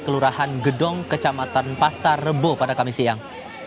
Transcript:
kelurahan gedong kecamatan pasar rebo pada kamis siang